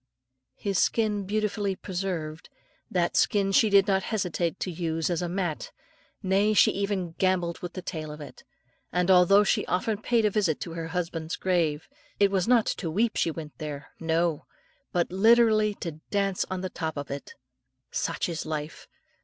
His skin beautifully preserved (by ), that skin she did not hesitate to use as a mat, nay, she even gambolled with the tail of it; and although she often paid a visit to her husband's grave, it was not to weep she went there, no! but literally to dance on the top of it. Such is life!